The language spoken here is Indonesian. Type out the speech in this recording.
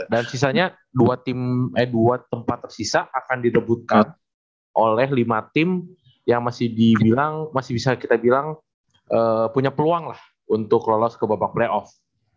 dan sisanya dua tempat tersisa akan direbutkan oleh lima tim yang masih bisa kita bilang punya peluang lah untuk lolos ke babak playoff